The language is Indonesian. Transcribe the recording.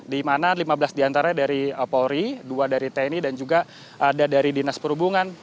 di mana lima belas diantara dari polri dua dari tni dan juga ada dari dinas perhubungan